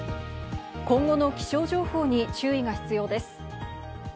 今後の気象情報に注意が必要です。